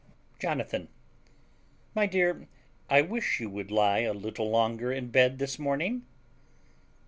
Jonathan. My dear, I wish you would lie a little longer in bed this morning.